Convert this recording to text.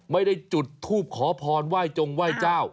ไม่ได้จุดทูปขอพรไหว้จงไหว้เจ้า